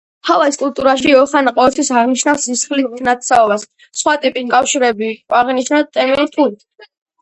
ჰავაის კულტურაში ოხანა ყოველთვის აღნიშნავს სისხლით ნათესაობას, სხვა ტიპის კავშირები აღინიშნება ტერმინით „ხუი“.